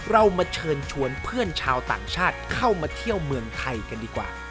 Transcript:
เรามาเชิญชวนเพื่อนชาวต่างชาติเข้ามาเที่ยวเมืองไทยกันดีกว่า